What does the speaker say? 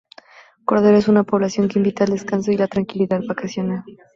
Cordero es una población que invita al descanso y la tranquilidad vacacional.